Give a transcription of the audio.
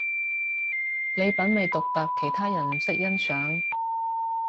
你品味獨特，其他人唔識欣賞